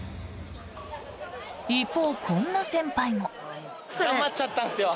一方、こんな先輩も。